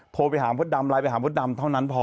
โทรไปหามดดำไลน์ไปหามดดำเท่านั้นพอ